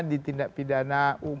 di tindak pidana